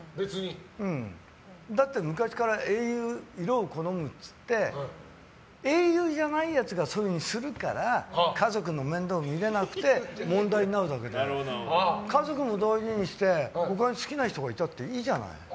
だって昔から英雄色を好むつって英雄じゃないやつがそういうふうにするから家族の面倒見れなくて問題になるだけで家族も大事にして他に好きな人がいたっていいじゃない。